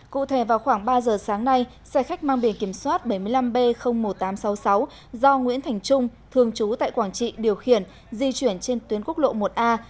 cụ thể vào khoảng ba giờ sáng nay xe khách mang bề kiểm soát bảy mươi năm b một nghìn tám trăm sáu mươi sáu do nguyễn thành trung thường trú tại quảng trị điều khiển di chuyển trên tuyến quốc lộ một a